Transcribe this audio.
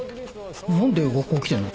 何で学校来てんの？